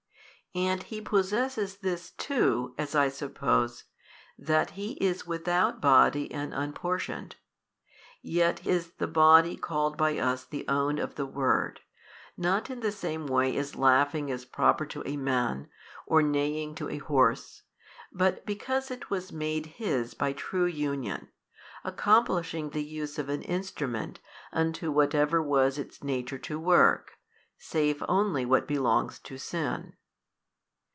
And He possesses this too (as I suppose) that He is without Body and Unportioned; yet is the Body called by us the own of the Word, not in the same way as laughing is proper to a man or neighing to a horse, but because it was made His by true union, accomplishing the use of an instrument unto whatever was its nature to work, save only what belongs to sin.